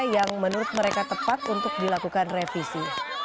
yang menurut mereka tepat untuk dilakukan revisi